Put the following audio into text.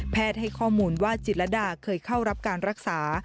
ให้ข้อมูลว่าจิตรดาเคยเข้ารับการรักษา